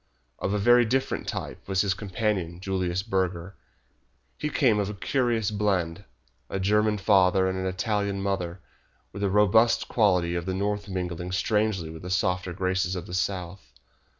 Of a very different type was his companion, Julius Burger. He came of a curious blend, a German father and an Italian mother, with the robust qualities of the North mingling strangely with the softer graces of the South.